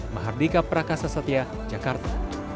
mahardika prakasa satya jakarta